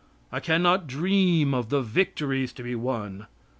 I can not dream of the victories to be won.